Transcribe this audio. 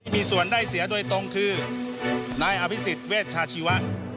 มีส่วนได้เสียโดยตรงคือนายอภิษฎเวชชาชีวะ